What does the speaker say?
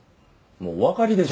もうおわかりでしょ？